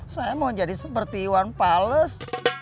saya mau jadi seperti iwan pales